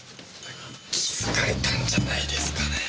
気づかれたんじゃないですかね。